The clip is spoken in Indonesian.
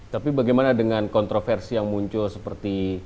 tapi bagaimana dengan kontroversi yang muncul seperti